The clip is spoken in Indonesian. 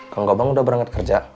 kang gopang udah berangkat kerja